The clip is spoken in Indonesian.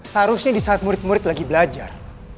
seharusnya di saat murid murid lagi belajar